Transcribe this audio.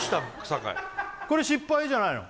酒井これ失敗じゃないの？